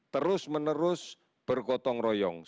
terus menerus bergotong royong